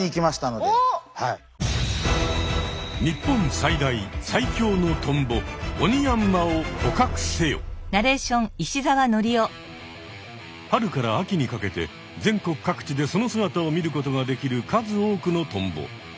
日本最大最強のトンボ春から秋にかけて全国各地でその姿を見ることができる数多くのトンボ。